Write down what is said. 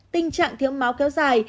tình trạng thiếu máu kéo dài